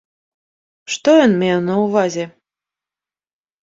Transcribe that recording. Што ён меў на ўвазе?